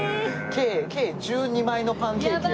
計１２枚のパンケーキを。